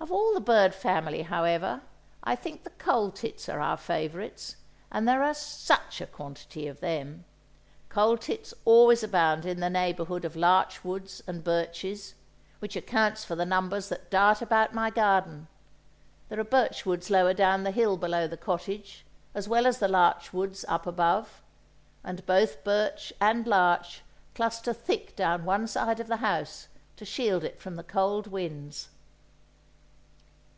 Of all the bird family, however, I think the coal tits are our favourites—and there are such a quantity of them. Coal tits always abound in the neighbourhood of larch woods and birches, which accounts for the numbers that dart about my garden; there are birch woods lower down the hill below the cottage, as well as the larch woods up above; and both birch and larch cluster thick down one side of the house to shield it from the cold winds.